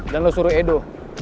dan lo suruh edo